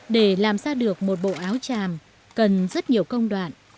để làm ra được một bộ áo tràm cần rất nhiều công đoạn